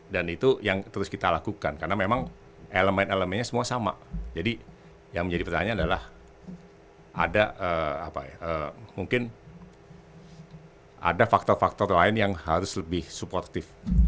dan itu yang terus kita lakukan karena memang elemen elemennya semua sama jadi yang menjadi pertanyaan adalah ada apa ya mungkin ada faktor faktor lain yang harus lebih suportif